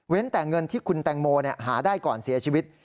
แต่เงินที่คุณแตงโมหาได้ก่อนเสียชีวิต